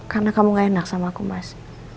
karena kamu gak enak sama aku mas